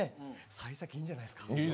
さい先いいんじゃないですか。